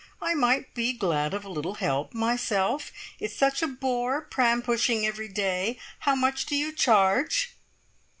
I might be glad of a little help myself. It's such a bore pram pushing every day. How much do you charge?"